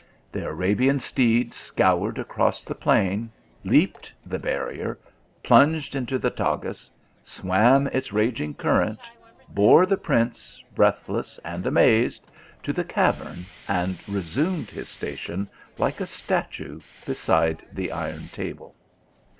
The Arabian steed scoured across the plain, leaped the barrier, plunged into the Tagus, swam its raging current, core the prince, breathless and amazed, to the cav ern, and resumed his station like a statue beside the iron table.